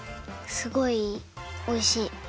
すごいおいしい。